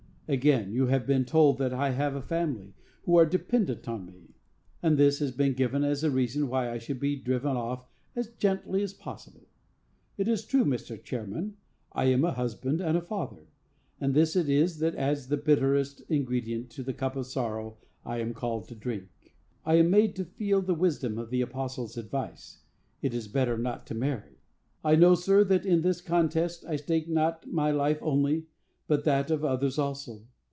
"Again, you have been told that I have a family, who are dependent on me; and this has been given as a reason why I should be driven off as gently as possible. It is true, Mr. Chairman, I am a husband and a father; and this it is that adds the bitterest ingredient to the cup of sorrow I am called to drink. I am made to feel the wisdom of the apostle's advice; 'It is better not to marry.' I know, sir, that in this contest I stake not my life only, but that of others also.